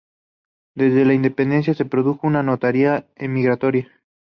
Desde la independencia se produjo una notoria emigración.